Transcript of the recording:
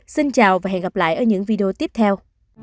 xin chào và hẹn gặp lại ở những video tiếp theo